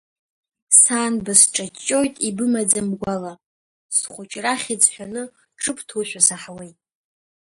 Сан, бысҿаҷҷоит ибымаӡам гәала, схәыҷра ахьӡ ҳәаны ҿыбҭуашәа саҳауеит.